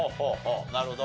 なるほど。